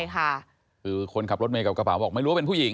คือคนขับรถเมย์กับกระเป๋าบอกไม่รู้ว่าเป็นผู้หญิง